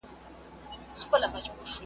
اوبه د ژوند اساسي اړتیا ده.